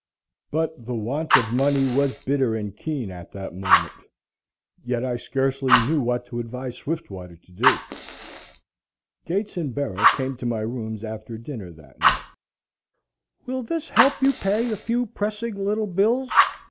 But the want of money was bitter and keen at that moment. Yet I scarcely knew what to advise Swiftwater to do. Gates and Bera came to my rooms after dinner that night. "Will this help you pay a few pressing little bills?"